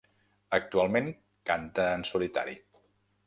Actualment canta en solitari.